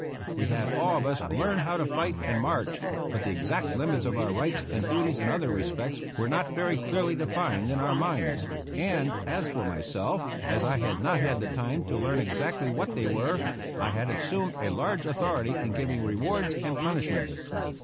We had all of us learned how to fight and march; but the exact limits of our rights and duties in other respects were not very clearly defined in our minds; and as for myself, as I had not had the time to learn exactly what they were, I had assumed a large authority in giving rewards and punishments.